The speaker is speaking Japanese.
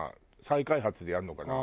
再開発でやるのかな。